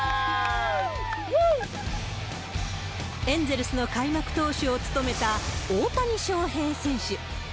エンゼルスの開幕投手を務めた、大谷翔平選手。